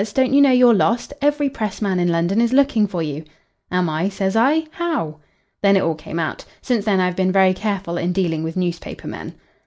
'Don't you know you're lost? Every pressman in London is looking for you.' "'Am I?' says I. 'How?' "Then it all came out. Since then I have been very careful in dealing with newspaper men."